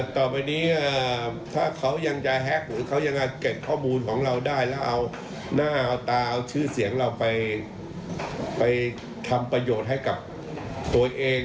ต่อไปนี้ถ้าเขายังจะแฮ็กหรือเขายังเก็บข้อมูลของเราได้แล้วเอาหน้าเอาตาเอาชื่อเสียงเราไปทำประโยชน์ให้กับตัวเอง